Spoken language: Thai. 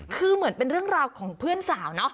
คือเหมือนเป็นเรื่องราวของเพื่อนสาวเนาะ